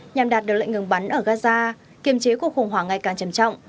nhằm đạt được lệnh ngừng bắn ở gaza kiềm chế cuộc khủng hoảng ngày càng trầm trọng